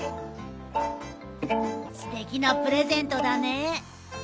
すてきなプレゼントだね。